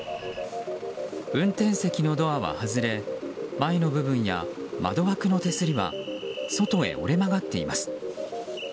運転席のドアは外れ前の部分や窓枠の手すりは外へ折れ曲がっています。